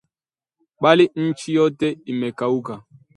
Bali nchi yote imekauka